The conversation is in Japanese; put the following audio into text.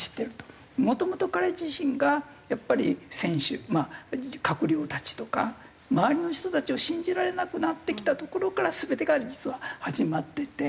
もともと彼自身がやっぱり選手閣僚たちとか周りの人たちを信じられなくなってきたところから全てが実は始まってて。